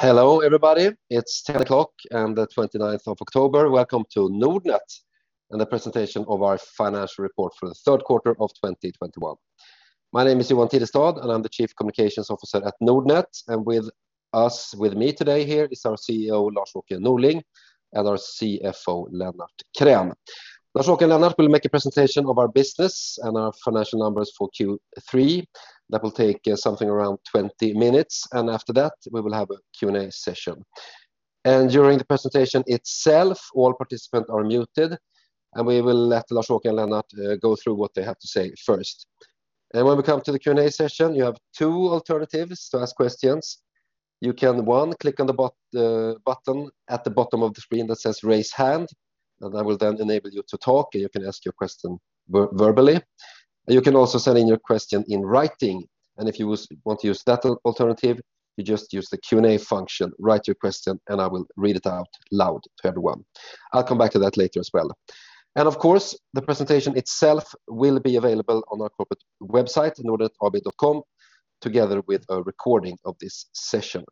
Hello, everybody. It's 10:00 and the 29 of October. Welcome to Nordnet and the presentation of our financial report for the third quarter of 2021. My name is Johan Tidestad, and I'm the Chief Communications Officer at Nordnet. With us, with me today here is our CEO, Lars-Åke Norling, and our CFO, Lennart Krän. Lars-Åke and Lennart will make a presentation of our business and our financial numbers for Q3. That will take something around 20 minutes, and after that, we will have a Q&A session. During the presentation itself, all participants are muted, and we will let Lars-Åke and Lennart go through what they have to say first. Then when we come to the Q&A session, you have two alternatives to ask questions. You can click on the button at the bottom of the screen that says raise hand, and that will then enable you to talk, and you can ask your question verbally. You can also send in your question in writing, and if you want to use that alternative, you just use the Q&A function, write your question, and I will read it out loud to everyone. I'll come back to that later as well. Of course, the presentation itself will be available on our corporate website, nordnetab.com, together with a recording of this session.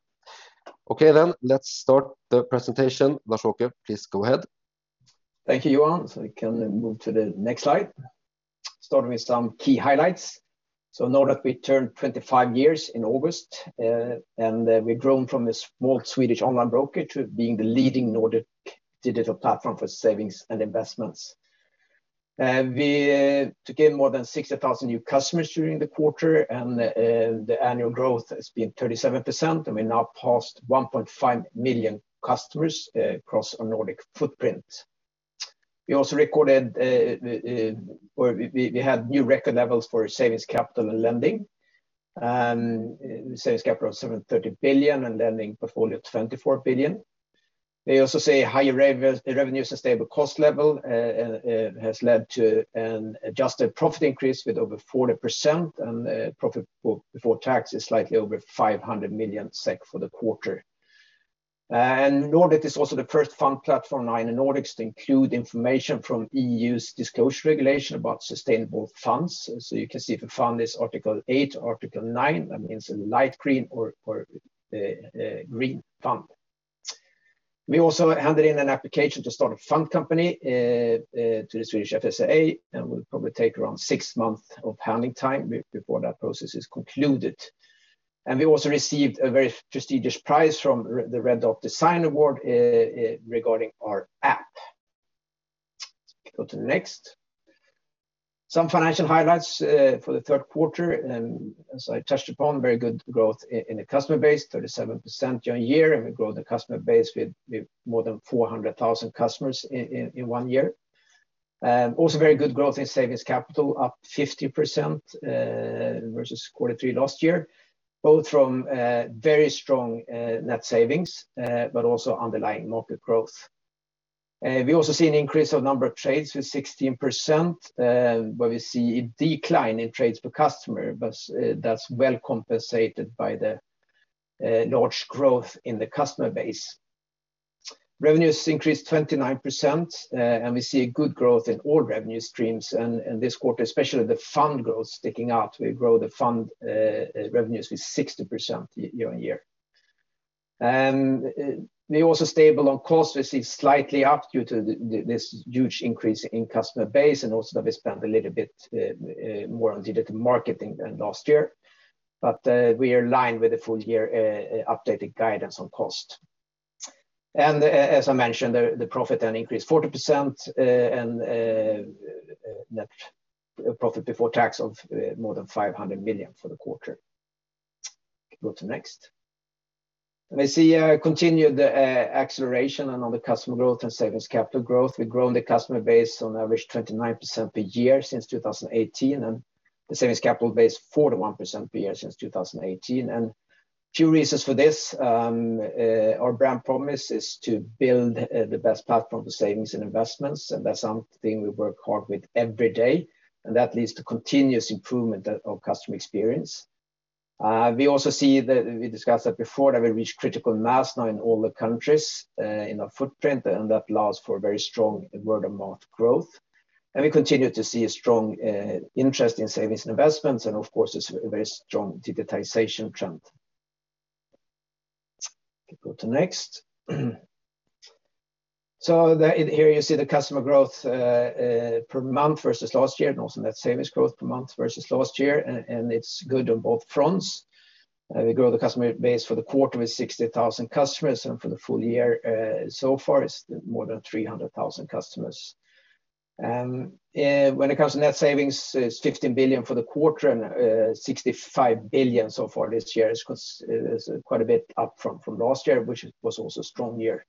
Okay then, let's start the presentation. Lars-Åke, please go ahead. Thank you, Johan. We can move to the next slide. Start with some key highlights. Nordnet, we turned 25 years in August, and we've grown from a small Swedish online broker to being the leading Nordic digital platform for savings and investments. We took in more than 60,000 new customers during the quarter, and the annual growth has been 37%, and we now passed 1.5 million customers across our Nordic footprint. We also had new record levels for savings capital and lending, savings capital of 730 billion and lending portfolio of 24 billion. We also see higher revenues and stable cost level has led to an adjusted profit increase with over 40%, and profit before tax is slightly over 500 million SEK for the quarter. Nordnet is also the first fund platform now in the Nordics to include information from EU's disclosure regulation about sustainable funds. You can see if a fund is Article 8 or Article 9. That means a light green or green fund. We also handed in an application to start a fund company to the Swedish FSA, and will probably take around six months of handling time before that process is concluded. We also received a very prestigious prize from the Red Dot Design Award regarding our app. Go to the next. Some financial highlights for the third quarter, and as I touched upon, very good growth in the customer base, 37% year-on-year, and we grow the customer base with more than 400,000 customers in one year. Also very good growth in savings capital, up 50%, versus Q3 last year, both from very strong net savings, but also underlying market growth. We also see an increase of number of trades with 16%, but we see a decline in trades per customer, but that's well compensated by the large growth in the customer base. Revenues increased 29%, and we see a good growth in all revenue streams. This quarter, especially the fund growth sticking out, we grow the fund revenues with 60% year-on-year. We're also stable on cost. We see slightly up due to this huge increase in customer base and also that we spent a little bit more on digital marketing than last year. We are in line with the full year updated guidance on cost. As I mentioned, the profit then increased 40%, and net profit before tax of more than 500 million for the quarter. Go to next. We see a continued acceleration on the customer growth and savings capital growth. We've grown the customer base on average 29% per year since 2018, and the savings capital base 41% per year since 2018. A few reasons for this, our brand promise is to build the best platform for savings and investments, and that's something we work hard with every day, and that leads to continuous improvement of customer experience. We also see that, we discussed that before, that we reached critical mass now in all the countries in our footprint, and that allows for very strong word-of-mouth growth. We continue to see a strong interest in savings and investments, and of course, it's a very strong digitization trend. Go to next. Here you see the customer growth per month versus last year, and also net savings growth per month versus last year, and it's good on both fronts. We grow the customer base for the quarter with 60,000 customers, and for the full year, so far it's more than 300,000 customers. When it comes to net savings, it's 15 billion for the quarter and 65 billion so far this year. It is quite a bit up from last year, which was also a strong year.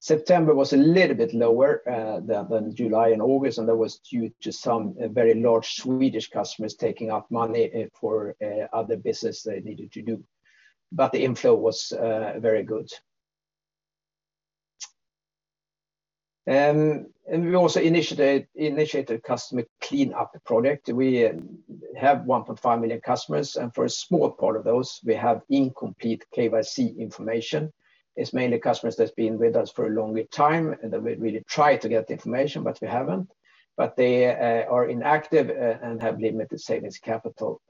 September was a little bit lower than July and August, and that was due to some very large Swedish customers taking out money for other business they needed to do. The inflow was very good. We also initiated a customer clean-up project. We have 1.5 million customers, and for a small part of those, we have incomplete KYC information. It's mainly customers that's been with us for a longer time, and that we really try to get the information, but we haven't. They are inactive and have limited savings capital.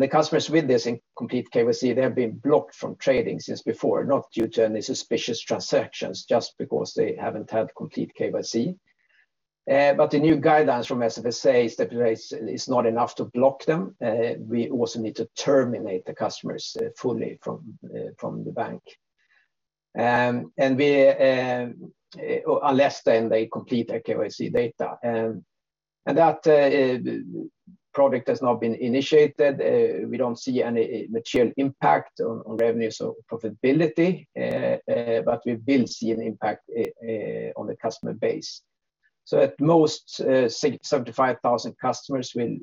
The customers with this incomplete KYC have been blocked from trading since before, not due to any suspicious transactions, just because they haven't had complete KYC. The new guidelines from Swedish FSA stipulates it's not enough to block them. We also need to terminate the customers fully from the bank unless they complete their KYC data. That project has now been initiated. We don't see any material impact on revenues or profitability, but we will see an impact on the customer base. At most six. 75,000 customers will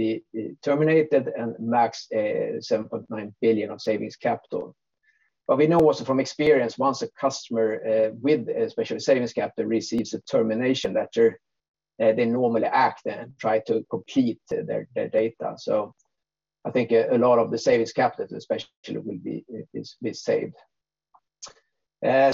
be terminated and max 7.9 billion of savings capital. We know also from experience, once a customer with especially savings capital receives a termination letter, they normally act then try to complete their data. I think a lot of the savings capital especially will be saved.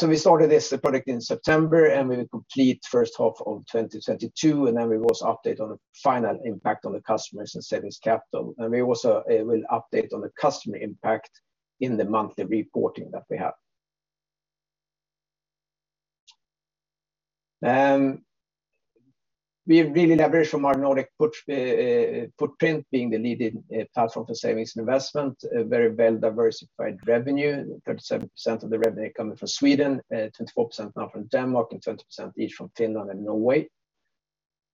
We started this project in September, and we will complete first half of 2022, and then we will update on the final impact on the customers and savings capital. We also will update on the customer impact in the monthly reporting that we have. We really leverage from our Nordic footprint being the leading platform for savings and investment, a very well-diversified revenue, 37% of the revenue coming from Sweden, 24% now from Denmark, and 20% each from Finland and Norway.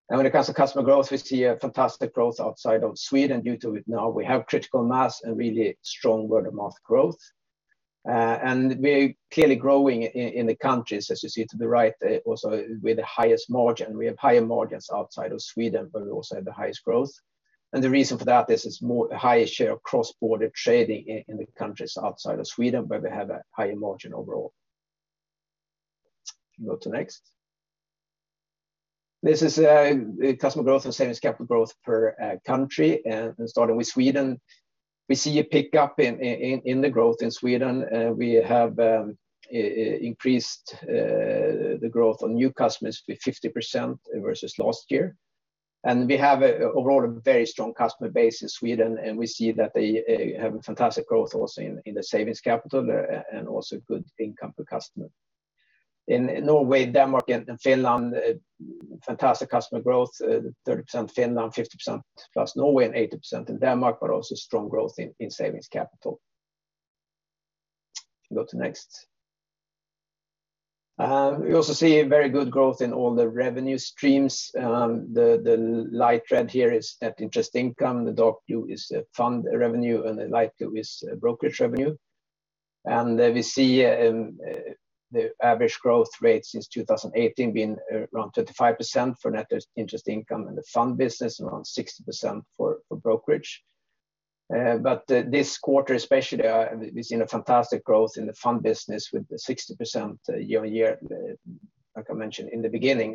When it comes to customer growth, we see a fantastic growth outside of Sweden due to now we have critical mass and really strong word-of-mouth growth. We're clearly growing in the countries, as you see to the right, also with the highest margin. We have higher margins outside of Sweden, but we also have the highest growth. The reason for that is it's a higher share of cross-border trading in the countries outside of Sweden, where we have a higher margin overall. You can go to next. This is customer growth and savings capital growth per country and starting with Sweden. We see a pickup in the growth in Sweden. We have increased the growth in new customers with 50% versus last year. We have overall a very strong customer base in Sweden, and we see that they have a fantastic growth also in the savings capital and also good income per customer. In Norway, Denmark, and Finland fantastic customer growth, 30% Finland, 50%+ Norway, and 80% in Denmark, but also strong growth in savings capital. You can go to next. We also see very good growth in all the revenue streams. The light red here is net interest income, the dark blue is fund revenue, and the light blue is brokerage revenue. We see the average growth rate since 2018 being around 35% for net interest income in the fund business and around 60% for brokerage. This quarter especially, we've seen a fantastic growth in the fund business with 60% year on year, like I mentioned in the beginning.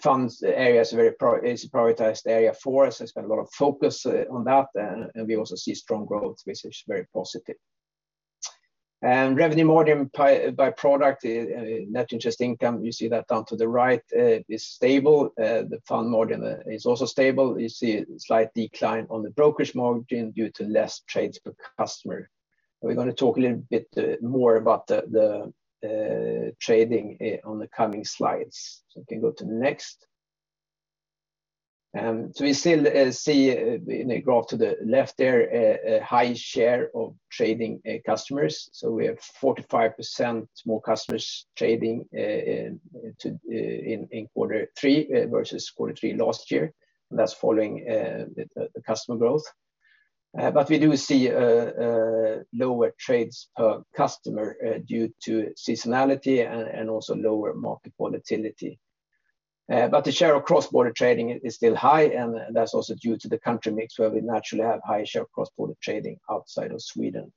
Funds area is a very prioritized area for us. There's been a lot of focus on that, and we also see strong growth, which is very positive. Revenue margin by product, net interest income, you see that down to the right, is stable. The fund margin is also stable. You see a slight decline on the brokerage margin due to less trades per customer. We're gonna talk a little bit more about the trading on the coming slides. You can go to next. We still see in the graph to the left there a high share of trading customers. We have 45% more customers trading in quarter three versus quarter three last year. That's following the customer growth. We do see lower trades per customer due to seasonality and also lower market volatility. The share of cross-border trading is still high, and that's also due to the country mix where we naturally have higher share of cross-border trading outside of Sweden.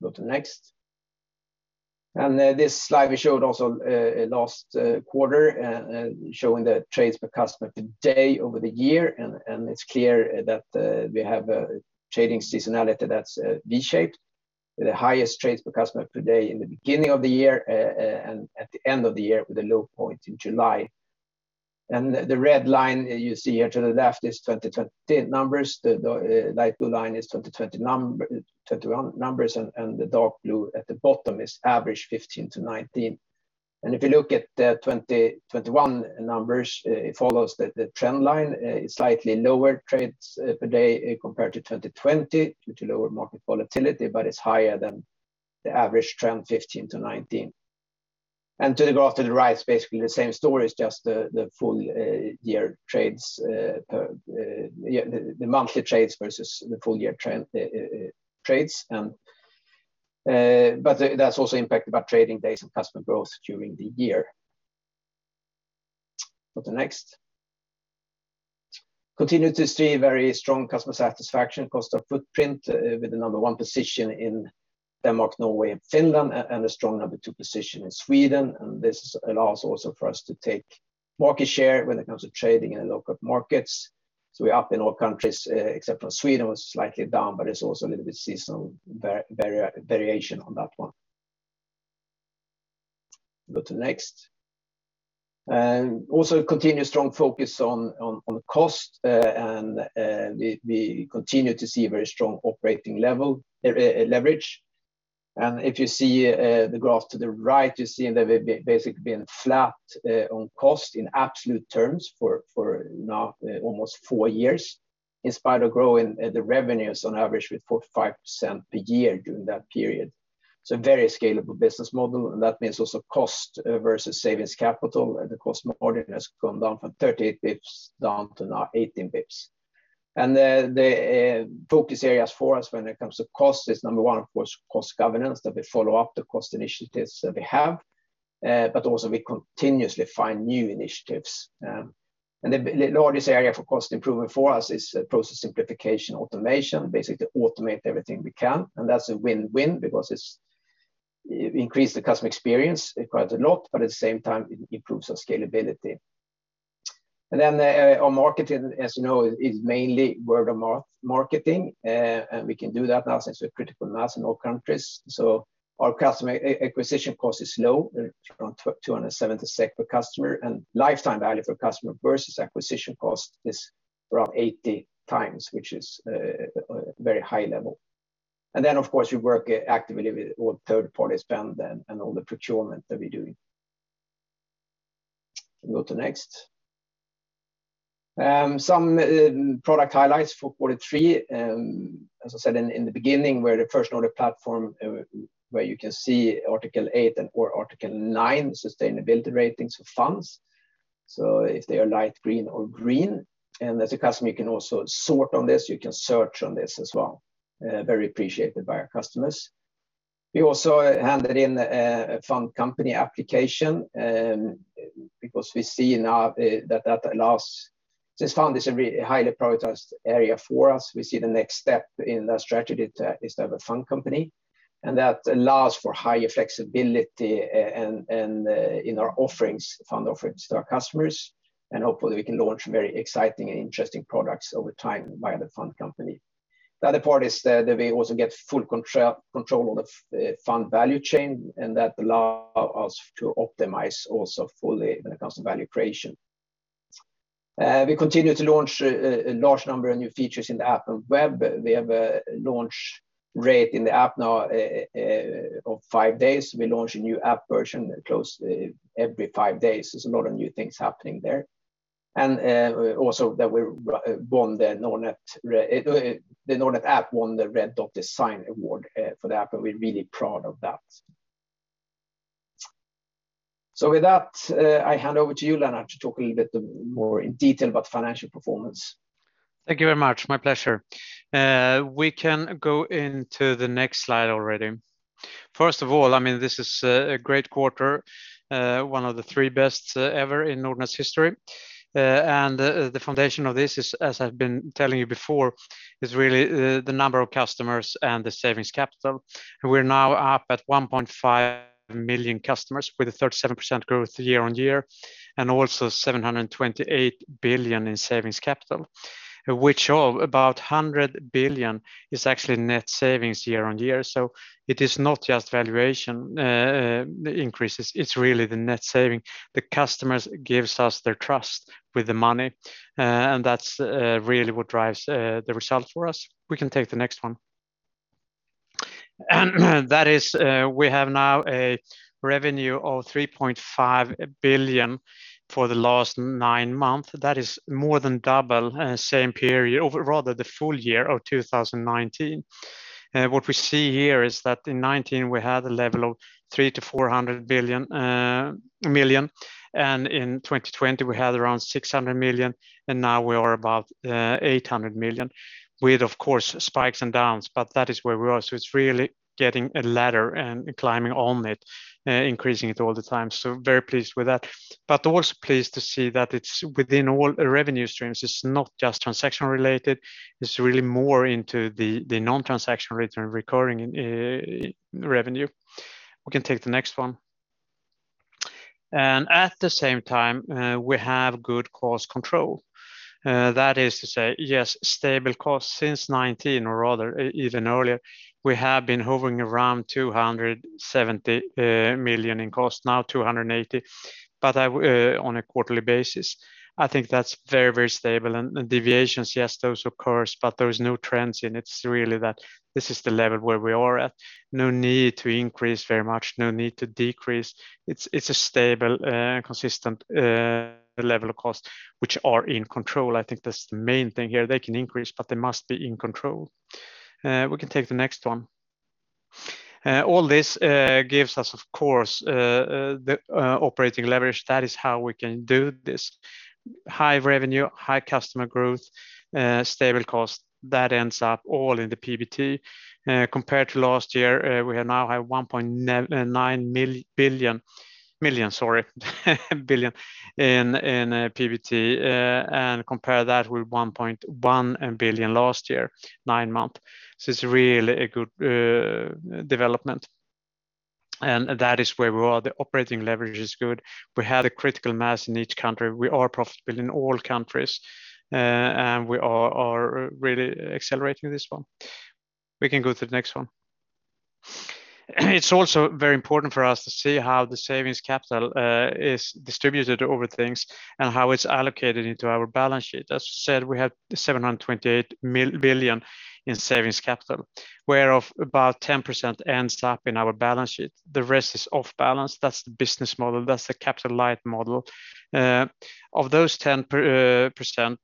Go to next. This slide we showed also last quarter showing the trades per customer per day over the year. It's clear that we have a trading seasonality that's V-shaped. The highest trades per customer per day in the beginning of the year and at the end of the year with a low point in July. The red line you see here to the left is 2020 numbers. The light blue line is 2021 numbers, and the dark blue at the bottom is average 2015 to 2019. If you look at the 2021 numbers, it follows the trend line, slightly lower trades per day compared to 2020 due to lower market volatility, but it's higher than the average trend 2015 to 2019. To the graph to the right is basically the same story. It's just the full year trades per year the monthly trades versus the full year trend trades. But that's also impacted by trading days and customer growth during the year. Go to next. Continue to see very strong customer satisfaction across our footprint with the number one position in Denmark, Norway, and Finland, and a strong number two position in Sweden. This allows also for us to take market share when it comes to trading in local markets. We're up in all countries except for Sweden was slightly down, but it's also a little bit seasonal variation on that one. Go to next. Also continue strong focus on cost. We continue to see very strong operating leverage. If you see the graph to the right, you see they've basically been flat on cost in absolute terms for now almost four years, in spite of growing the revenues on average with 4%-5% per year during that period. It's a very scalable business model, and that means also cost versus savings capital. The cost margin has gone down from 30 bps down to now 18 bps. The focus areas for us when it comes to cost is, number one, of course, cost governance, that we follow up the cost initiatives that we have, but also we continuously find new initiatives. The largest area for cost improvement for us is process simplification automation, basically to automate everything we can. That's a win-win because it's increased the customer experience quite a lot, but at the same time, it improves our scalability. Our marketing, as you know, is mainly word-of-mouth marketing. We can do that now since we're critical mass in all countries. Our customer acquisition cost is low, around 270 SEK per customer. Lifetime value for customer versus acquisition cost is around 80x, which is a very high level. We work actively with all third-party spend and all the procurement that we're doing. You can go to next. Some product highlights for quarter three. We're the first on the platform where you can see Article 8 and/or Article 9 sustainability ratings for funds. If they are light green or green. As a customer, you can also sort on this, you can search on this as well. Very appreciated by our customers. We also handed in a fund company application, because we see now that allows. This fund is a really highly prioritized area for us. We see the next step in that strategy to have a fund company, and that allows for higher flexibility and in our offerings, fund offerings to our customers. Hopefully, we can launch very exciting and interesting products over time via the fund company. The other part is that we also get full control of fund value chain, and that allows us to optimize also fully when it comes to value creation. We continue to launch a large number of new features in the app and web. We have a launch rate in the app now of five days. We launch a new app version close to every five days. There's a lot of new things happening there. Also, the Nordnet app won the Red Dot Design Award for the app, and we're really proud of that. With that, I hand over to you, Lennart, to talk a little bit more in detail about financial performance. Thank you very much. My pleasure. We can go into the next slide already. First of all, I mean, this is a great quarter, one of the three best ever in Nordnet's history. The foundation of this, as I've been telling you before, is really the number of customers and the savings capital. We're now up at 1.5 million customers with a 37% growth year-on-year, and also 728 billion in savings capital, which is about 100 billion is actually net savings year-on-year. It is not just valuation increases, it's really the net saving. The customers gives us their trust with the money, and that's really what drives the results for us. We can take the next one. That is, we have now a revenue of 3.5 billion for the last nine months. That is more than double same period, or rather the full year of 2019. What we see here is that in 2019 we had a level of 300 million-400 million, and in 2020 we had around 600 million, and now we are about 800 million, with of course spikes and downs, but that is where we are. It's really getting a ladder and climbing on it, increasing it all the time. Very pleased with that. But also pleased to see that it's within all revenue streams. It's not just transaction related. It's really more into the non-transaction return recurring revenue. We can take the next one. At the same time, we have good cost control. That is to say, yes, stable cost since 2019 or rather even earlier. We have been hovering around 270 million in cost, now 280 million. But on a quarterly basis, I think that's very stable. Deviations, yes, those occur, but there is no trend in it. It's really that this is the level where we are at. No need to increase very much, no need to decrease. It's a stable, consistent level of cost which is in control. I think that's the main thing here. They can increase, but they must be in control. We can take the next one. All this gives us of course the operating leverage. That is how we can do this. High revenue, high customer growth, stable cost, that ends up all in the PBT. Compared to last year, we have 1.9 billion in PBT. Compare that with 1.1 billion last year, nine months. This is really a good development. That is where we are. The operating leverage is good. We have the critical mass in each country. We are profitable in all countries. We are really accelerating this one. We can go to the next one. It's also very important for us to see how the savings capital is distributed over things and how it's allocated into our balance sheet. As you said, we have 728 billion in savings capital, whereof about 10% ends up in our balance sheet. The rest is off balance. That's the business model, that's the capital light model. Of those 10%,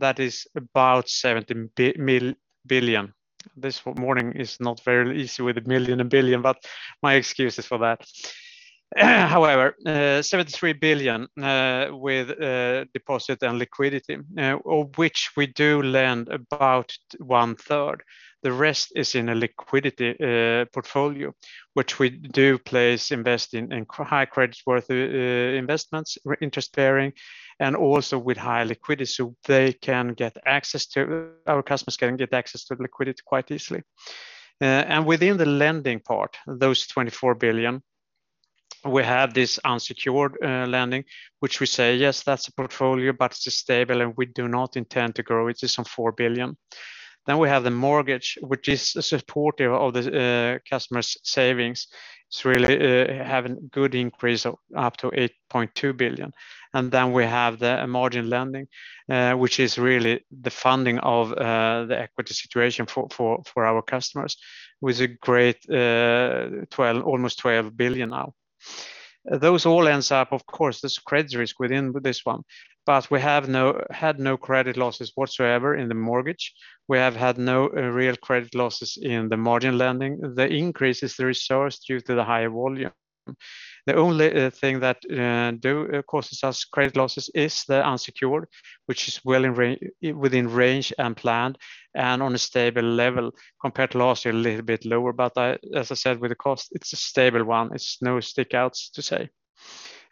that is about 70 billion. This morning is not very easy with a million and billion, but my excuses for that. However, 73 billion with deposit and liquidity, of which we do lend about one third. The rest is in a liquidity portfolio, which we place and invest in high creditworthy investments, interest bearing, and also with high liquidity, so our customers can get access to liquidity quite easily. Within the lending part, those 24 billion, we have this unsecured lending, which we say, yes, that's a portfolio, but it's stable and we do not intend to grow it. It's on 4 billion. We have the mortgage, which is supportive of the customers' savings. It's really having good increase of up to 8.2 billion. Then we have the margin lending, which is really the funding of the equity situation for our customers with almost 12 billion now. Those all ends up, of course, there's credit risk within this one, but we had no credit losses whatsoever in the mortgage. We have had no real credit losses in the margin lending. The increase is the result due to the higher volume. The only thing that causes us credit losses is the unsecured, which is well within range and planned and on a stable level compared to last year, a little bit lower. As I said, with the cost, it's a stable one. It's no stick outs to say.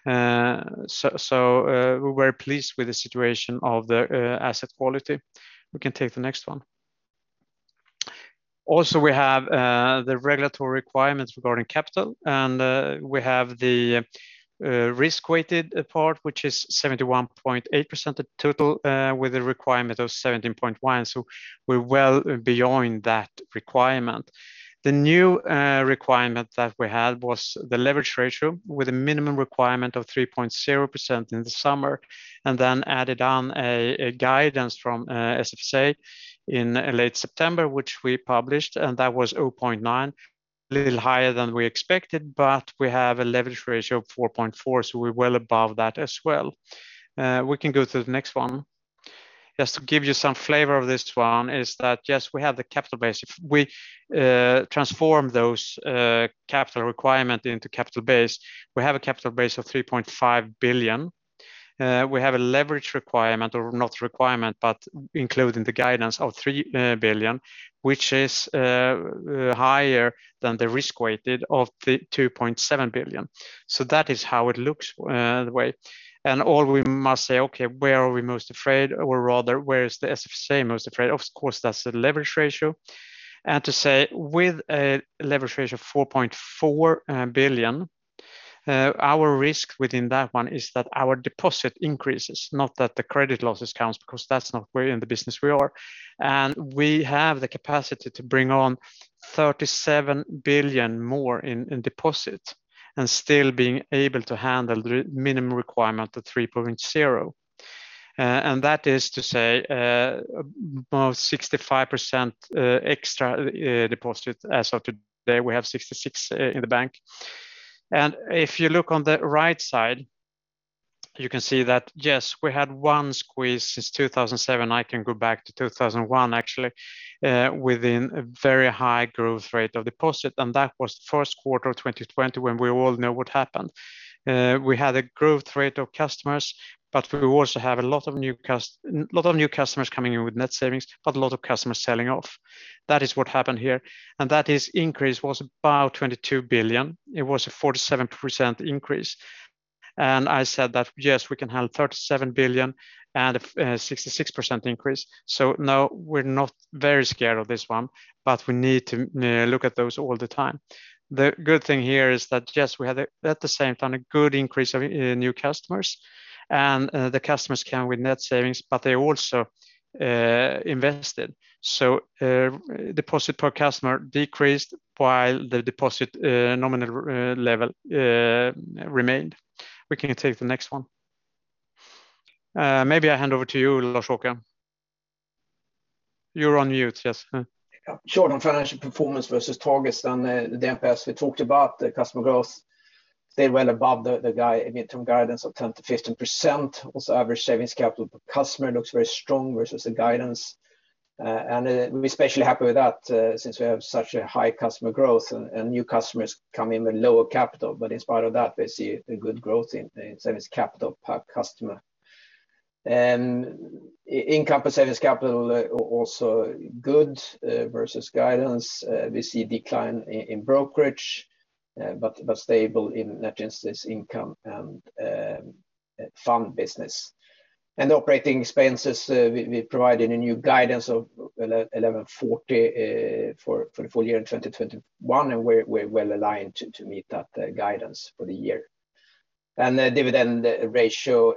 We're pleased with the situation of the asset quality. We can take the next one. Also, we have the regulatory requirements regarding capital, and we have the risk-weighted part, which is 71.8% of total, with a requirement of 17.1%. We're well beyond that requirement. The new requirement that we had was the leverage ratio with a minimum requirement of 3.0% in the summer, and then added on a guidance from SFSA in late September, which we published, and that was 0.9, little higher than we expected, but we have a leverage ratio of 4.4%, so we're well above that as well. We can go to the next one. Just to give you some flavor of this one is that, yes, we have the capital base. If we transform those capital requirement into capital base, we have a capital base of 3.5 billion. We have a leverage requirement or not requirement, but including the guidance of 3 billion, which is higher than the risk-weighted of 2.7 billion. That is how it looks, the way. All we must say, okay, where are we most afraid? Or rather, where is the SFSA most afraid? Of course, that's the leverage ratio. To say with a leverage ratio of 4.4 billion, our risk within that one is that our deposit increases, not that the credit losses counts because that's not where in the business we are. We have the capacity to bring on 37 billion more in deposits and still being able to handle the minimum requirement of 3.0%. That is to say, about 65% extra deposit. As of today, we have 66% in the bank. If you look on the right side, you can see that, yes, we had one squeeze since 2007. I can go back to 2001 actually, within a very high growth rate of deposit. That was first quarter of 2020 when we all know what happened. We had a growth rate of customers, but we also had a lot of new customers coming in with net savings, but a lot of customers selling off. That is what happened here. That increase was about 22 billion. It was a 47% increase. I said that, yes, we can handle 37 billion and a 66% increase. No, we're not very scared of this one, but we need to look at those all the time. The good thing here is that, yes, we had, at the same time, a good increase of new customers. The customers came with net savings, but they also invested. Deposit per customer decreased while the deposit nominal level remained. We can take the next one. Maybe I hand over to you, Lars-Åke Norling. You're on mute, yes. Yeah. Short on financial performance versus targets and the KPIs we talked about, the customer growth stayed well above the midterm guidance of 10%-15%. Also, average savings capital per customer looks very strong versus the guidance. We're especially happy with that since we have such a high customer growth and new customers come in with lower capital. In spite of that, we see a good growth in savings capital per customer. Income and savings capital also good versus guidance. We see decline in brokerage, but stable in net interest income and fund business. Operating expenses, we provided a new guidance of 1,140 for the full year in 2021, and we're well aligned to meet that guidance for the year. The dividend ratio,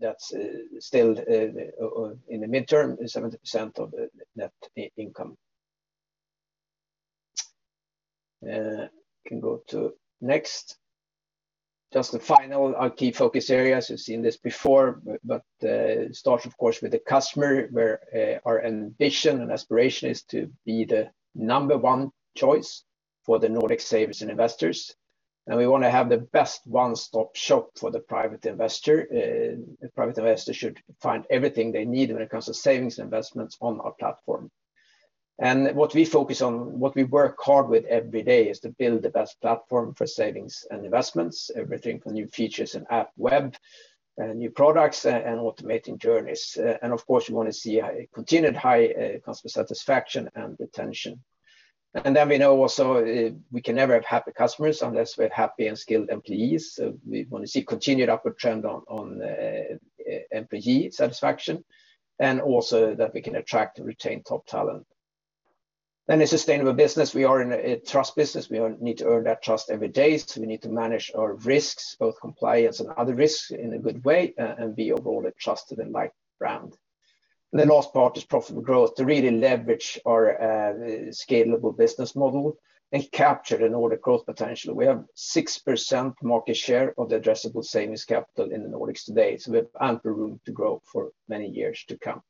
that's still in the midterm is 70% of the net income. Can go to next. Just the final our key focus areas. You've seen this before, starts of course with the customer where our ambition and aspiration is to be the number one choice for the Nordic savers and investors. We wanna have the best one-stop shop for the private investor. Private investors should find everything they need when it comes to savings investments on our platform. What we focus on, what we work hard with every day is to build the best platform for savings and investments, everything from new features and app, web, new products and automating journeys. Of course, we wanna see a continued high customer satisfaction and retention. Then we know also, we can never have happy customers unless we have happy and skilled employees. We want to see continued upward trend on employee satisfaction and also that we can attract and retain top talent. A sustainable business. We are in a trust business. We need to earn that trust every day. We need to manage our risks, both compliance and other risks in a good way, and be overall a trusted and liked brand. The last part is profitable growth to really leverage our scalable business model and capture the Nordic growth potential. We have 6% market share of the addressable savings capital in the Nordics today, so we have ample room to grow for many years to come.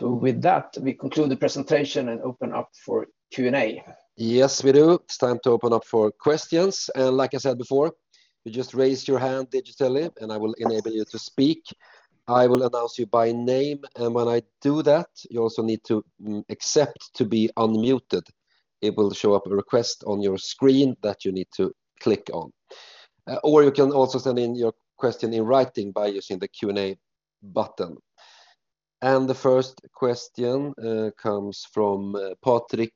With that, we conclude the presentation and open up for Q&A. Yes, we do. It's time to open up for questions. Like I said before, you just raise your hand digitally and I will enable you to speak. I will announce you by name, and when I do that, you also need to accept to be unmuted. It will show up a request on your screen that you need to click on. Or you can also send in your question in writing by using the Q&A button. The first question comes from Patrik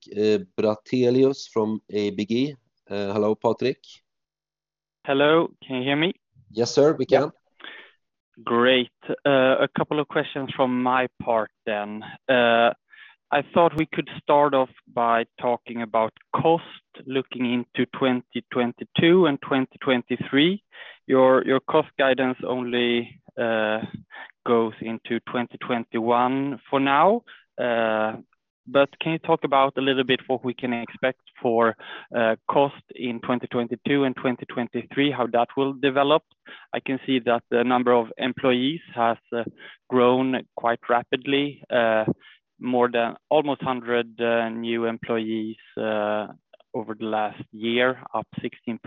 Brattelius from ABG. Hello, Patrik. Hello. Can you hear me? Yes, sir, we can. Great. A couple of questions from my part then. I thought we could start off by talking about cost looking into 2022 and 2023. Your cost guidance only goes into 2021 for now. But can you talk about a little bit what we can expect for cost in 2022 and 2023, how that will develop? I can see that the number of employees has grown quite rapidly, more than almost 100 new employees over the last year, up 16%.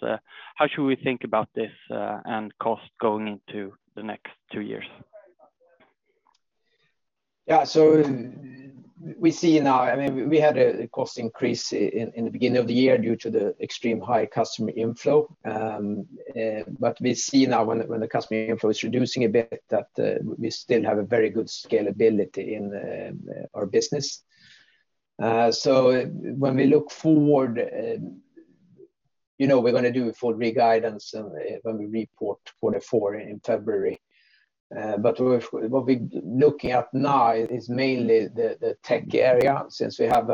How should we think about this, and cost going into the next two years? We see now, I mean, we had a cost increase in the beginning of the year due to the extreme high customer inflow. We see now when the customer inflow is reducing a bit that we still have a very good scalability in our business. When we look forward, you know, we're gonna do a full re-guidance and when we report quarter four in February. What we're looking at now is mainly the tech area since we have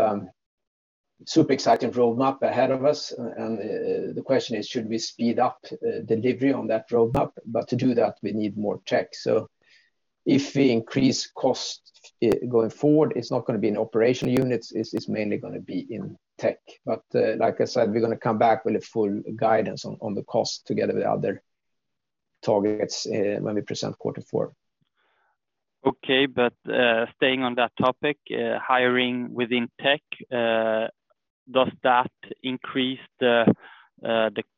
super exciting roadmap ahead of us. The question is, should we speed up delivery on that roadmap? To do that, we need more tech. If we increase cost going forward, it's not gonna be in operational units, it's mainly gonna be in tech. Like I said, we're gonna come back with a full guidance on the cost together with other targets when we present quarter four. Okay. Staying on that topic, hiring within tech, does that increase the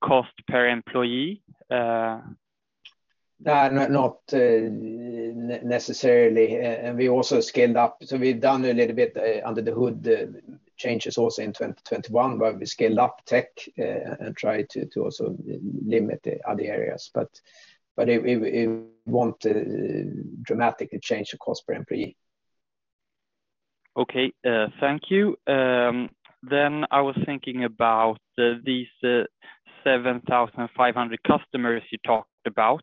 cost per employee? Not necessarily. We also scaled up. We've done a little bit under the hood changes also in 2021, where we scaled up tech and tried to also limit the other areas. It won't dramatically change the cost per employee. Okay. Thank you. I was thinking about these 7,500 customers you talked about.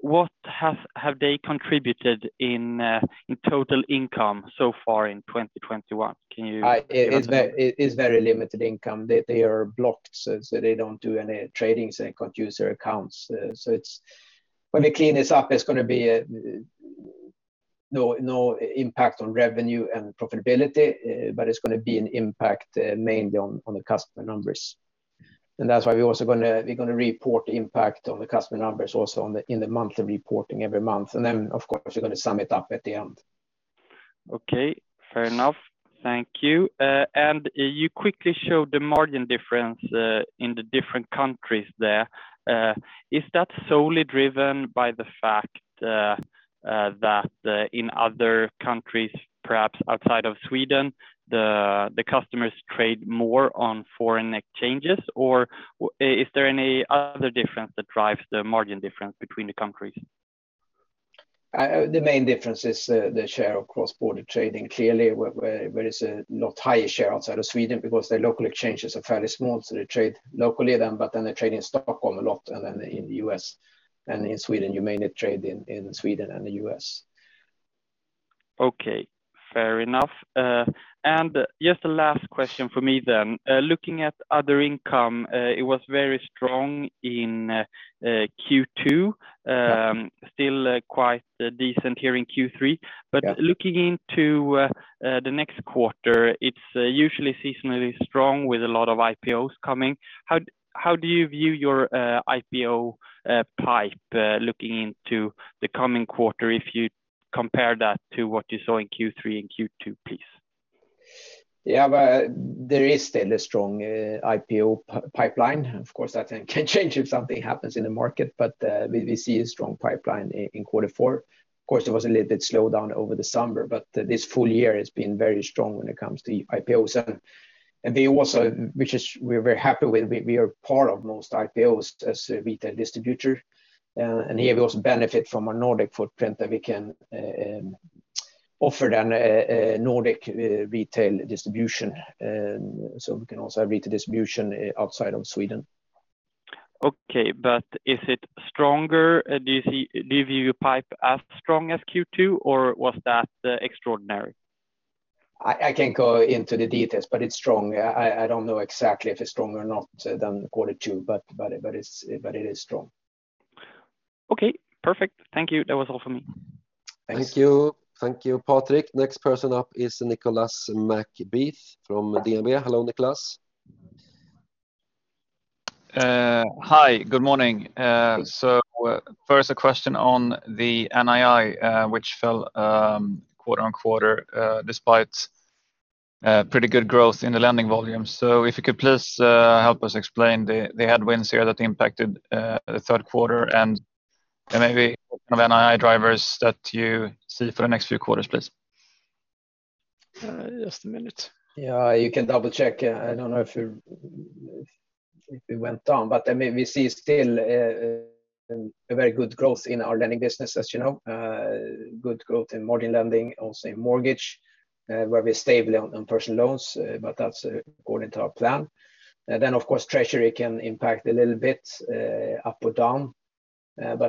What have they contributed in total income so far in 2021? Can you? It's very limited income. They are blocked, so they don't do any trading and can't use their accounts. When we clean this up, it's gonna be no impact on revenue and profitability, but it's gonna be an impact mainly on the customer numbers. That's why we're also gonna report the impact on the customer numbers also in the monthly reporting every month. Of course, we're gonna sum it up at the end. Okay. Fair enough. Thank you. You quickly showed the margin difference in the different countries there. Is that solely driven by the fact that in other countries, perhaps outside of Sweden, the customers trade more on foreign exchanges, or is there any other difference that drives the margin difference between the countries? The main difference is the share of cross-border trading. Clearly, where it's a lot higher share outside of Sweden because their local exchanges are fairly small, so they trade locally then, but then they trade in Stockholm a lot, and then in the U.S. and in Sweden, you mainly trade in Sweden and the U.S. Okay, fair enough. Just a last question for me then. Looking at other income, it was very strong in Q2. Still quite decent here in Q3. Yeah. Looking into the next quarter, it's usually seasonally strong with a lot of IPOs coming. How do you view your IPO pipe looking into the coming quarter if you compare that to what you saw in Q3 and Q2, please? Yeah. There is still a strong IPO pipeline. Of course, that can change if something happens in the market, but we see a strong pipeline in quarter four. Of course, it was a little bit slowed down over the summer, but this full year has been very strong when it comes to IPOs. Which we're very happy with, we are part of most IPOs as a retail distributor. Here we also benefit from our Nordic footprint that we can offer them a Nordic retail distribution. We can also retail distribution outside of Sweden. Okay. Is it stronger? Do you view pipeline as strong as Q2, or was that extraordinary? I can't go into the details, but it's strong. I don't know exactly if it's stronger or not than quarter two, but it is strong. Okay, perfect. Thank you. That was all for me. Thanks. Thank you. Thank you, Patrik. Next person up is Nicolas McBeath from DNB. Hello, Nicolas. Hi, good morning. First a question on the NII, which fell quarter-over-quarter, despite pretty good growth in the lending volume. If you could please help us explain the headwinds here that impacted the third quarter and maybe NII drivers that you see for the next few quarters, please? Just a minute. Yeah, you can double-check. I don't know if it went down, but I mean, we see still a very good growth in our lending business, as you know. Good growth in margin lending, also in mortgage, very stable on personal loans, but that's according to our plan. Of course, treasury can impact a little bit up or down.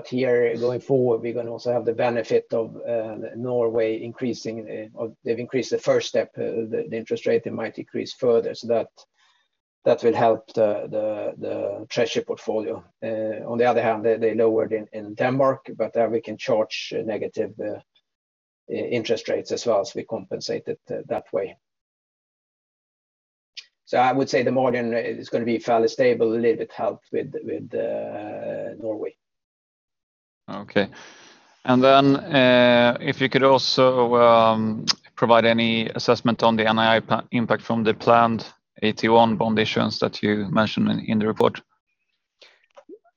Here, going forward, we're gonna also have the benefit of Norway increasing, or they've increased the first step the interest rate, they might increase further. That will help the treasury portfolio. On the other hand, they lowered in Denmark, but there we can charge negative interest rates as well, so we compensate it that way. I would say the margin is gonna be fairly stable, a little bit helped with Norway. Okay. If you could also provide any assessment on the NII impact from the planned bond issuance that you mentioned in the report?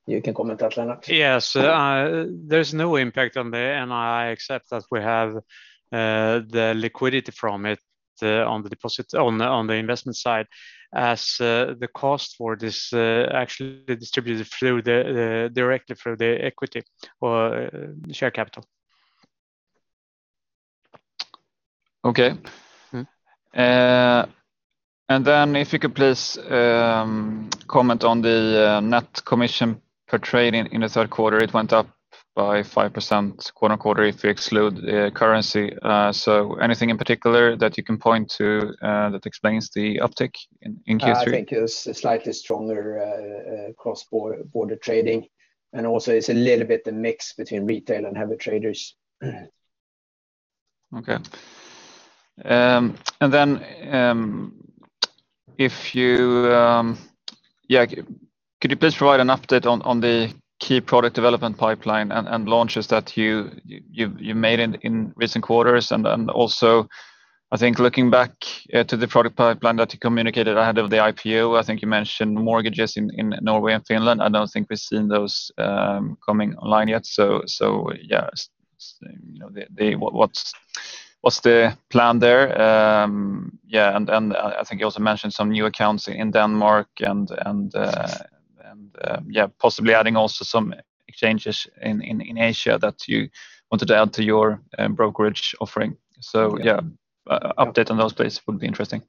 You can comment that, Lennart. Yes. There's no impact on the NII except that we have the liquidity from it on the investment side as the cost for this actually distributed directly through the equity or share capital. Okay. If you could please comment on the net commission per trade in the third quarter. It went up by 5% quarter-on-quarter if you exclude currency. Anything in particular that you can point to that explains the uptick in Q3? I think it's a slightly stronger cross-border trading, and also it's a little bit the mix between retail and heavy traders. Okay. Then, if you. Yeah, could you please provide an update on the key product development pipeline and launches that you've made in recent quarters? Also, I think looking back to the product pipeline that you communicated ahead of the IPO, I think you mentioned mortgages in Norway and Finland. I don't think we've seen those coming online yet. Yeah, you know, what's the plan there? Yeah, I think you also mentioned some new accounts in Denmark and yeah, possibly adding also some exchanges in Asia that you wanted to add to your brokerage offering. Yeah, update on those, please, would be interesting.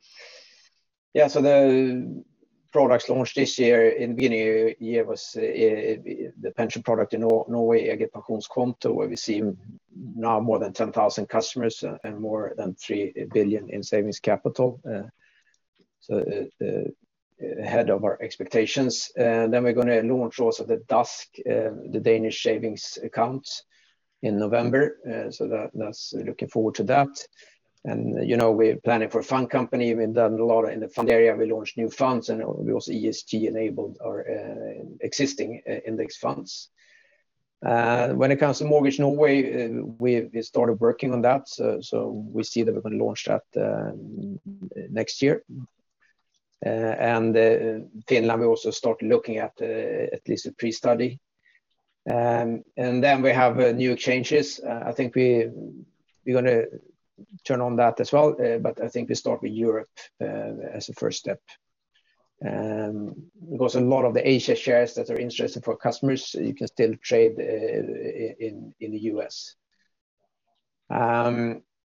Yeah. The products launched this year in the beginning of year was the pension product in Norway, Egen Pensjonskonto, where we've seen now more than 10,000 customers and more than 3 billion in savings capital. Ahead of our expectations. We're gonna launch also the ASK, the Danish savings accounts in November. We're looking forward to that. You know, we're planning for a fund company. We've done a lot in the fund area. We launched new funds, and we also ESG enabled our existing index funds. When it comes to mortgage in Norway, we've started working on that. We see that we're gonna launch that next year. Finland, we also start looking at at least a pre-study. We have new changes. I think we're gonna turn on that as well, but I think we start with Europe as a first step. Because a lot of the Asian shares that are interesting for customers, you can still trade in the U.S.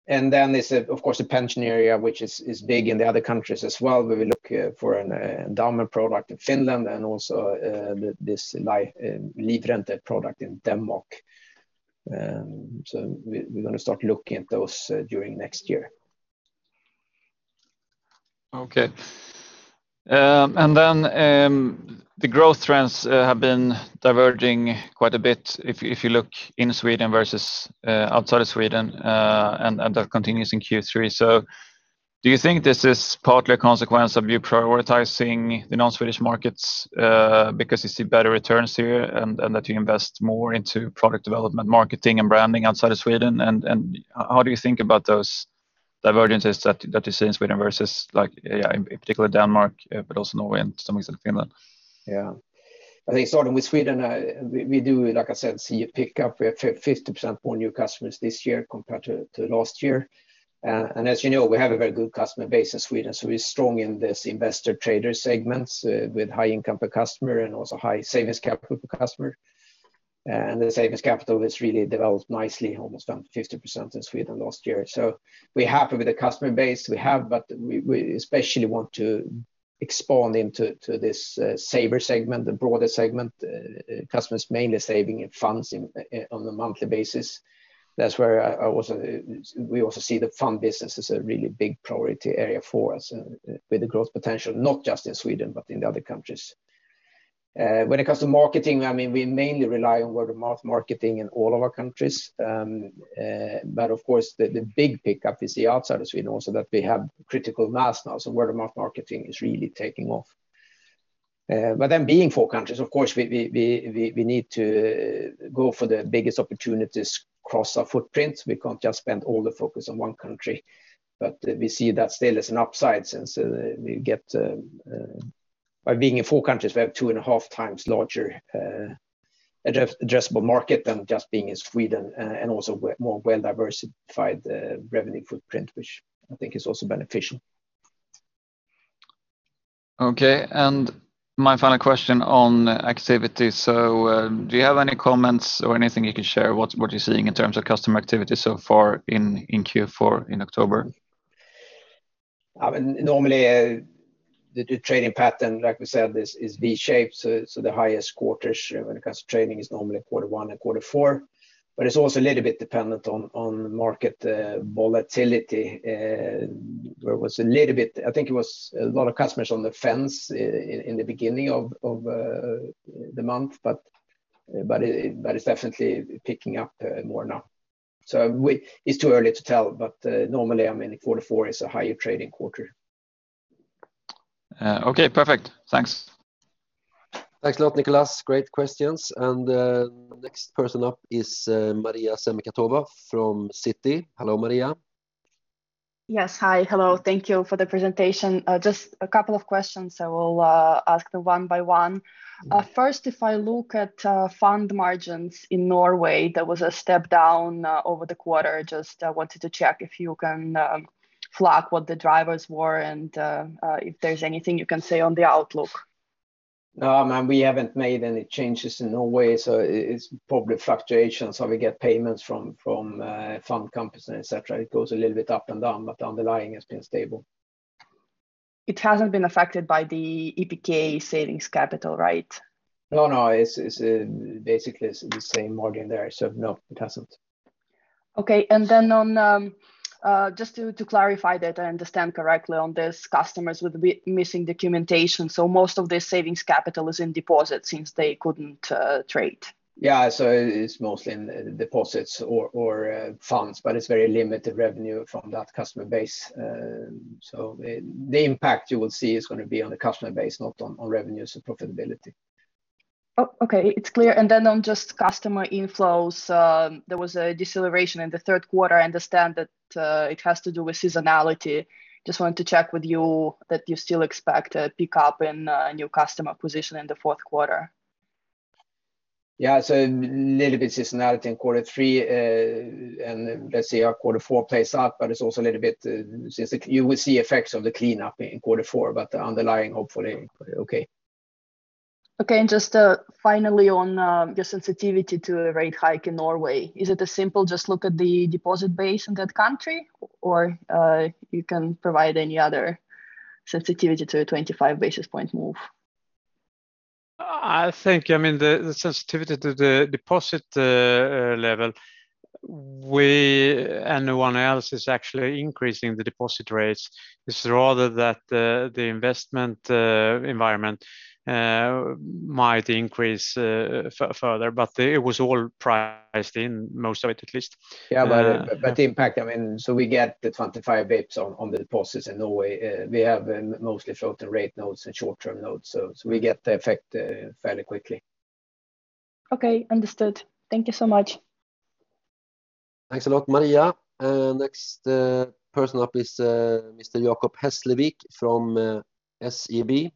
Then there's, of course, the pension area, which is big in the other countries as well. We will look for an endowment product in Finland and also this livrente product in Denmark. We're gonna start looking at those during next year. Okay. The growth trends have been diverging quite a bit if you look in Sweden versus outside of Sweden, and that continues in Q3. Do you think this is partly a consequence of you prioritizing the non-Swedish markets, because you see better returns here and that you invest more into product development, marketing and branding outside of Sweden? How do you think about those divergences that you see in Sweden versus like, yeah, in particular Denmark, but also Norway and to some extent Finland? Yeah. I think starting with Sweden, we do, like I said, see a pickup. We have 50% more new customers this year compared to last year. As you know, we have a very good customer base in Sweden, so we're strong in this investor trader segments, with high income per customer and also high savings capital per customer. The savings capital has really developed nicely, almost 50% in Sweden last year. We're happy with the customer base we have, but we especially want to expand into this saver segment, the broader segment, customers mainly saving in funds on a monthly basis. That's where we also see the fund business as a really big priority area for us with the growth potential, not just in Sweden, but in the other countries. When it comes to marketing, I mean, we mainly rely on word-of-mouth marketing in all of our countries. Of course, the big pickup is outside of Sweden also that we have critical mass now. Word-of-mouth marketing is really taking off. Being in four countries, of course, we need to go for the biggest opportunities across our footprint. We can't just spend all the focus on one country. We see that still as an upside since we get by being in four countries, we have 2.5x larger, addressable market than just being in Sweden and also more well-diversified revenue footprint which I think is also beneficial. Okay. My final question on activity. Do you have any comments or anything you can share what you're seeing in terms of customer activity so far in Q4 in October? I mean, normally the trading pattern, like we said, is V-shaped. The highest quarters when it comes to trading is normally quarter one and quarter four. It's also a little bit dependent on market volatility. There was a little bit, I think it was a lot of customers on the fence in the beginning of the month. It's definitely picking up more now. It's too early to tell. Normally, I mean, quarter four is a higher trading quarter. Okay, perfect. Thanks. Thanks a lot, Nicolas. Great questions. Next person up is Maria Semikhatova from Citi. Hello, Maria. Yes. Hi. Hello. Thank you for the presentation. Just a couple of questions. I will ask them one by one. Mm-hmm. First, if I look at fund margins in Norway, there was a step down over the quarter. Just wanted to check if you can flag what the drivers were and if there's anything you can say on the outlook? No, I mean, we haven't made any changes in Norway, so it's probably fluctuations how we get payments from fund companies, etc. It goes a little bit up and down, but underlying has been stable. It hasn't been affected by the EPK savings capital, right? No, it's basically the same margin there. No, it hasn't. Okay. Just to clarify that I understand correctly on this, customers with missing documentation. Most of their savings capital is in deposits since they couldn't trade? Yeah. It's mostly in deposits or funds, but it's very limited revenue from that customer base. The impact you will see is gonna be on the customer base, not on revenues and profitability. Okay, it's clear. On just customer inflows, there was a deceleration in the third quarter. I understand that it has to do with seasonality. Just wanted to check with you that you still expect a pickup in new customer acquisition in the fourth quarter. Little bit seasonality in quarter three. Let's see how quarter four plays out. It's also a little bit since you will see effects of the cleanup in quarter four, but the underlying hopefully okay. Okay. Just finally on your sensitivity to a rate hike in Norway, is it a simple just look at the deposit base in that country or you can provide any other sensitivity to a 25 basis point move? I think, I mean, the sensitivity to the deposit level, we and no one else is actually increasing the deposit rates. It's rather that the investment environment might increase further, but it was all priced in most of it at least. The impact, I mean, we get the 25 basis points on the deposits in Norway. We have mostly floating rate notes and short-term notes. We get the effect fairly quickly. Okay. Understood. Thank you so much. Thanks a lot, Maria. Next person up is Mr. Jacob Hesslevik from SEB.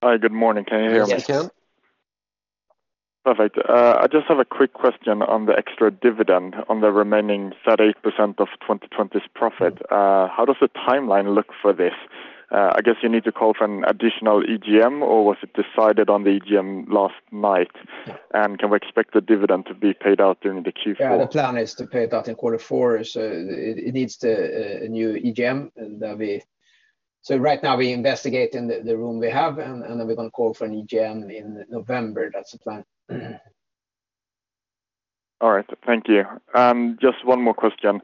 Hello, Jacob. Hi. Good morning. Can you hear me? Yes, we can. Perfect. I just have a quick question on the extra dividend on the remaining set-aside 8% of 2020's profit. How does the timeline look for this? I guess you need to call for an additional EGM, or was it decided on the EGM last night? Can we expect the dividend to be paid out during the Q4? The plan is to pay it out in quarter four. It needs a new EGM. Right now we investigate in the room we have, and then we're gonna call for an EGM in November. That's the plan. All right. Thank you. Just one more question.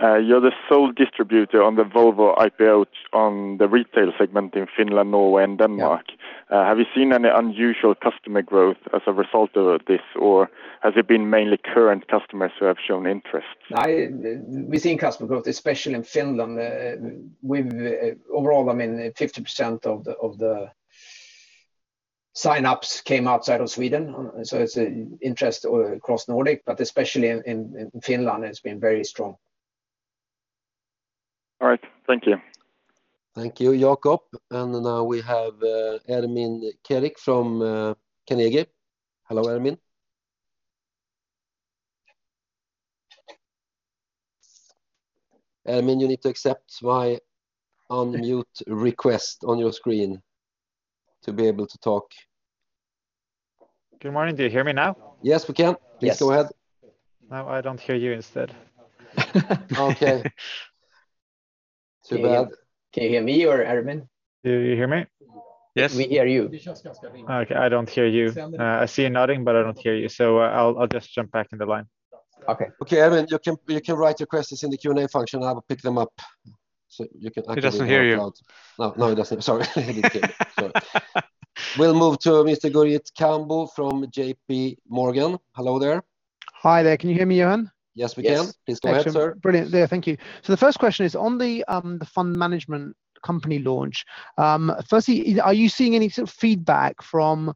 You're the sole distributor on the Volvo IPO on the retail segment in Finland, Norway, and Denmark. Yeah. Have you seen any unusual customer growth as a result of this, or has it been mainly current customers who have shown interest? We've seen customer growth, especially in Finland. Overall, I mean, 50% of the sign-ups came outside of Sweden. It's interesting across Nordic, but especially in Finland, it's been very strong. All right. Thank you. Thank you, Jacob. Now we have Ermin Keric from Carnegie. Hello, Ermin. Ermin, you need to accept my unmute request on your screen to be able to talk. Good morning. Do you hear me now? Yes, we can. Yes. Please go ahead. Now I don't hear you instead. Okay. Too bad. Can you hear me or Ermin? Do you hear me? Yes. We hear you. Okay. I don't hear you. I see you nodding, but I don't hear you, so I'll just jump back in the line. Okay. Okay, Ermin. You can write your questions in the Q&A function, and I will pick them up so you can actually- He doesn't hear you. No. No, he doesn't. Sorry. We'll move to Mr. Gurjit Kambo from JPMorgan. Hello there. Hi there. Can you hear me, Johan? Yes, we can. Yes. Please go ahead, sir. Excellent. Brilliant. Yeah, thank you. The first question is on the the fund management company launch. Firstly, are you seeing any sort of feedback from,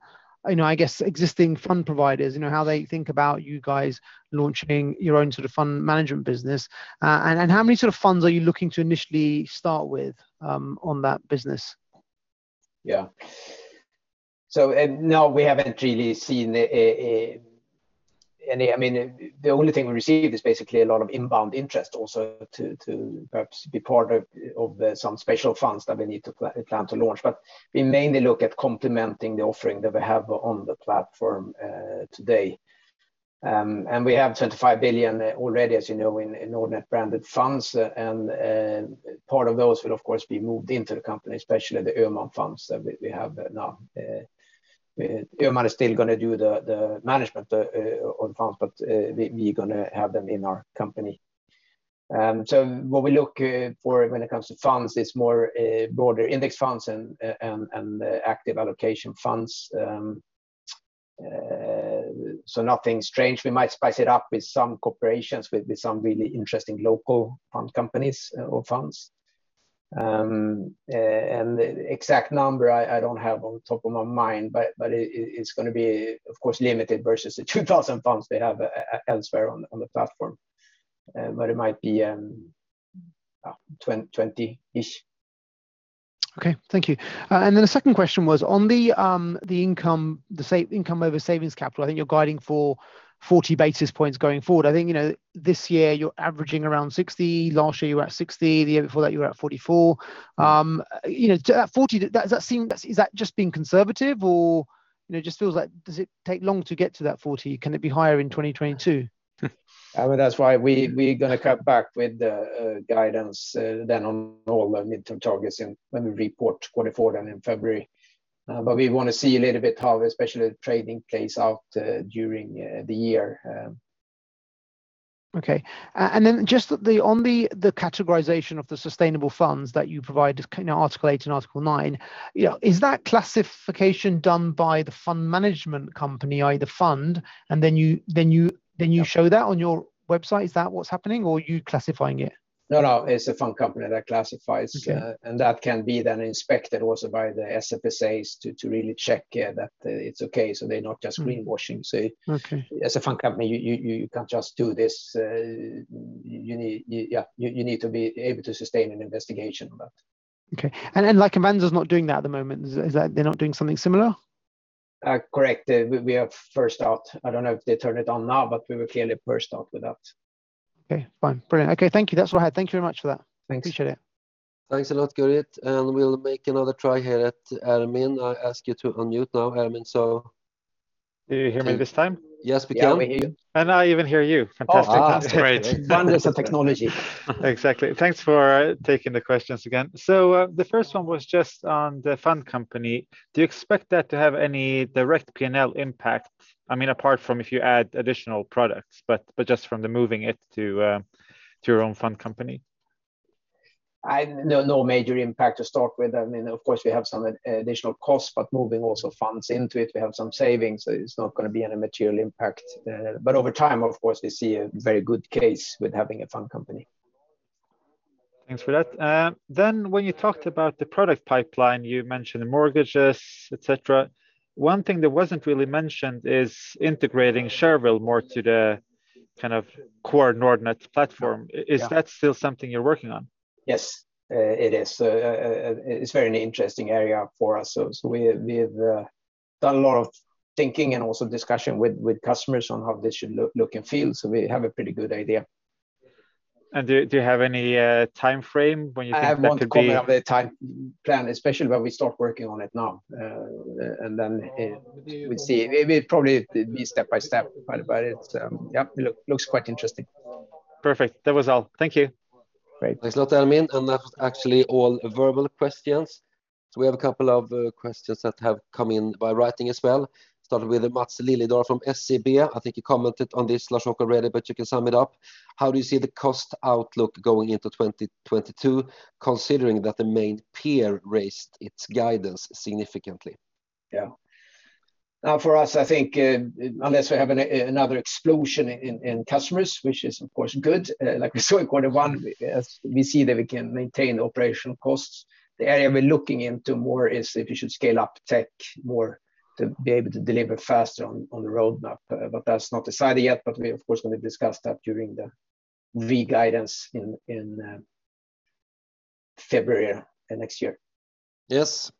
you know, I guess, existing fund providers, you know, how they think about you guys launching your own sort of fund management business? And how many sort of funds are you looking to initially start with, on that business? No, we haven't really seen any. The only thing we received is basically a lot of inbound interest also to perhaps be part of some special funds that we need to plan to launch. We mainly look at complementing the offering that we have on the platform today. We have 25 billion already, as you know, in Nordnet-branded funds, and part of those will of course be moved into the company, especially the Öhman funds that we have now. Öhman is still gonna do the management on funds, but we are gonna have them in our company. What we look for when it comes to funds is more broader index funds and active allocation funds. Nothing strange. We might spice it up with some corporations with some really interesting local fund companies or funds. The exact number I don't have off the top of my head, but it's gonna be, of course, limited versus the 2,000 funds we have elsewhere on the platform. It might be 20-ish. Okay. Thank you. The second question was on the income over savings capital. I think you're guiding for 40 basis points going forward. I think, you know, this year you're averaging around 60. Last year you were at 60. The year before that you were at 44. You know, at 40, does that seem. Is that just being conservative or, you know, it just feels like does it take long to get to that 40? Can it be higher in 2022? I mean, that's why we're gonna cut back with the guidance then on all the midterm targets and when we report 2024 then in February. We wanna see a little bit how especially the trading plays out during the year. Okay. Just on the categorization of the sustainable funds that you provide, you know, Article 8 and Article 9, you know, is that classification done by the fund management company, i.e. the fund, and then you show that on your website? Is that what's happening or are you classifying it? No, no, it's the fund company that classifies. Okay. That can be then inspected also by the SFSA to really check, yeah, that it's okay, so they're not just greenwashing. Okay. As a fund company, you can't just do this. Yeah, you need to be able to sustain an investigation about. Okay. Like Avanza's not doing that at the moment. Is that they're not doing something similar? Correct. We are first out. I don't know if they turn it on now, but we were clearly first out with that. Okay, fine. Brilliant. Okay, thank you. That's all I had. Thank you very much for that. Thanks. Appreciate it. Thanks a lot, Gurjit. We'll make another try here at Ermin. I ask you to unmute now, Ermin. Do you hear me this time? Yes, we can. Yeah, we hear you. I even hear you. Fantastic. Oh, that's great. Wonders of technology. Exactly. Thanks for taking the questions again. The first one was just on the fund company. Do you expect that to have any direct P&L impact? I mean, apart from if you add additional products, but just from the moving it to your own fund company? No, no major impact to start with. I mean, of course, we have some additional costs, but moving also funds into it, we have some savings, so it's not gonna be any material impact. Over time, of course, we see a very good case with having a fund company. Thanks for that. When you talked about the product pipeline, you mentioned the mortgages, etc. One thing that wasn't really mentioned is integrating Shareville more to the kind of core Nordnet platform. Yeah. Is that still something you're working on? Yes, it is. It's a very interesting area for us. We've done a lot of thinking and also discussion with customers on how this should look and feel. We have a pretty good idea. Do you have any timeframe when you think that could be? I won't comment on the time plan, especially when we start working on it now. We'll see. It will probably be step by step, but it's yeah, looks quite interesting. Perfect. That was all. Thank you. Great. Thanks a lot, Ermin. That was actually all verbal questions. We have a couple of questions that have come in by writing as well. Starting with Mats Liljedahl from SEB, I think you commented on this, Lars-Åke already, but you can sum it up. How do you see the cost outlook going into 2022, considering that the main peer raised its guidance significantly? Yeah. Now for us, I think, unless we have another explosion in customers, which is of course good, like we saw in quarter one, as we see that we can maintain operational costs. The area we're looking into more is if we should scale up tech more to be able to deliver faster on the roadmap. That's not decided yet, but we of course will discuss that during the re-guidance in February next year. Yes.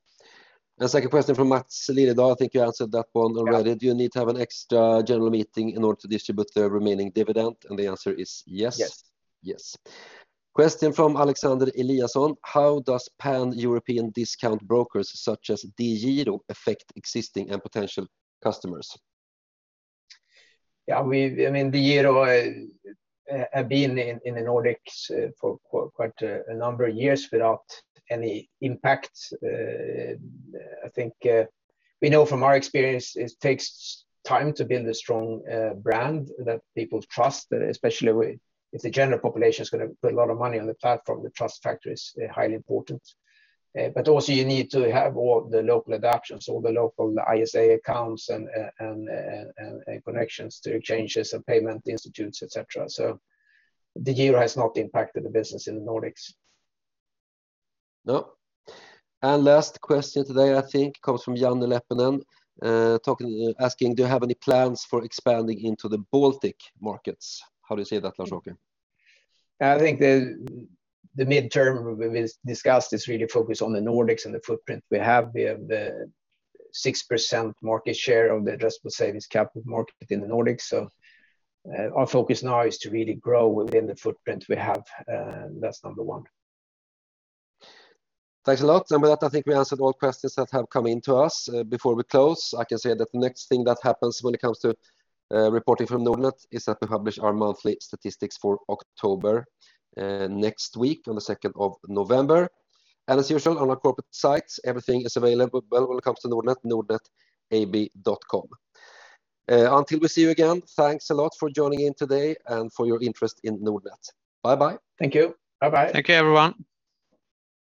The second question from Mats Liljedahl, I think you answered that one already. Do you need to have an extra general meeting in order to distribute the remaining dividend? The answer is yes. Yes. Yes. Question from Alexander Eliasson. How does pan-European discount brokers such as DEGIRO affect existing and potential customers? I mean, DEGIRO have been in the Nordics for quite a number of years without any impact. I think we know from our experience it takes time to build a strong brand that people trust, especially if the general population is gonna put a lot of money on the platform, the trust factor is highly important. But also you need to have all the local adaptations, all the local ISA accounts and connections to exchanges and payment institutions, etc. DEGIRO has not impacted the business in the Nordics. No. Last question today, I think, comes from Janne Leppänen, asking, Do you have any plans for expanding into the Baltic markets? How do you see that, Lars-Åke? I think the midterm we've discussed is really focused on the Nordics and the footprint we have. We have the 6% market share of the addressable savings capital market within the Nordics. Our focus now is to really grow within the footprint we have. That's number one. Thanks a lot. With that, I think we answered all questions that have come in to us. Before we close, I can say that the next thing that happens when it comes to reporting from Nordnet is that we publish our monthly statistics for October next week on the second of November. As usual, on our corporate sites, everything is available when it comes to Nordnet, nordnetab.com. Until we see you again, thanks a lot for joining in today and for your interest in Nordnet. Bye-bye. Thank you. Bye-bye. Thank you, everyone.